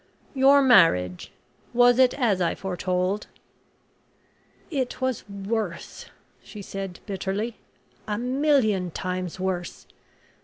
Your marriage was it as I foretold?" "It was worse," she said, bitterly "a million times worse!